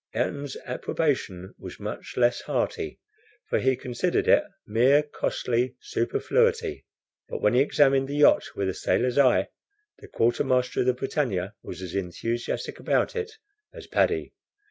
Ayrton's approbation was much less hearty, for he considered it mere costly superfluity. But when he examined the yacht with a sailor's eye, the quartermaster of the BRITANNIA was as enthusiastic about it as Paddy.